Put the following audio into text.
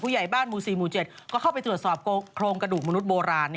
ใหญ่บ้านหมู่๔หมู่๗ก็เข้าไปตรวจสอบโครงกระดูกมนุษย์โบราณ